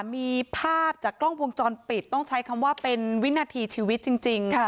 มีภาพจากกล้องวงจรปิดต้องใช้คำว่าเป็นวินาทีชีวิตจริง